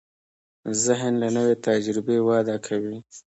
ذهن له نوې تجربې وده کوي.